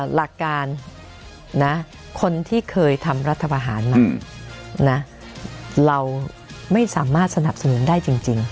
หลักการนะคนที่เคยทำรัฐบาหารมานะเราไม่สามารถสนับสนุนได้จริง